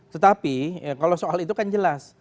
tetapi kalau soal itu kan jelas